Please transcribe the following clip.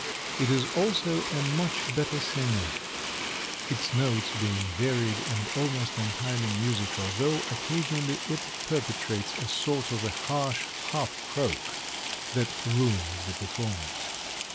It is also a much better singer, its notes being varied and almost entirely musical, though occasionally it perpetrates a sort of a harsh half croak that ruins the performance.